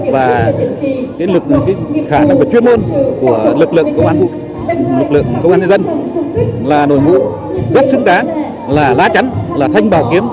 và khả năng và chuyên môn của lực lượng công an nhân dân là nội ngũ rất xứng đáng là lá chắn là thanh bào kiếm